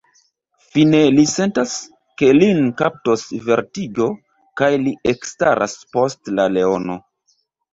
Fine li sentas, ke lin kaptos vertigo, kaj li ekstaras post la leono.